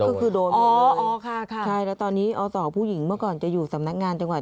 ก็คือโดนอ๋ออ๋อค่ะค่ะใช่แล้วตอนนี้เอาสั่งของผู้หญิงเมื่อก่อนจะอยู่สำนักงานจังหวัด